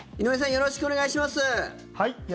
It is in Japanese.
よろしくお願いします。